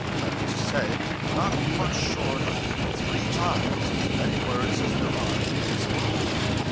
That is to say, not much short of three times as many words as there are in this book.